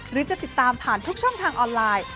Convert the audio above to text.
หรือจะติดตามผ่านทุกช่องทางออนไลน์